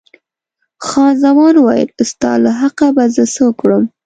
خان زمان وویل، ستا له حقه به زه څه وکړم.